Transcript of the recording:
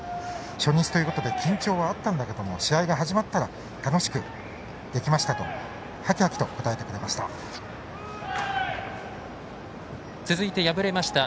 初日ということで緊張はあったけれども試合が始まったら楽しくできましたとはきはきと答えてくれました。